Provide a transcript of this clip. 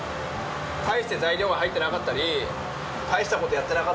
大して材料は入ってなかったり大した事やってなかったり。